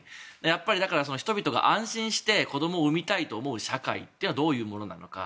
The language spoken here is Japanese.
やっぱり人々が安心して子供を産みたいと思う社会とはどういうものなのか。